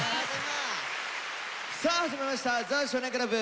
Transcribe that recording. さあ始まりました「ザ少年倶楽部」。